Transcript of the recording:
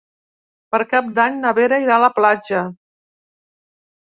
Per Cap d'Any na Vera irà a la platja.